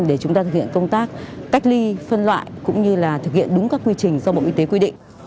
để chúng ta thực hiện công tác cách ly phân loại cũng như là thực hiện đúng các quy trình do bộ y tế quy định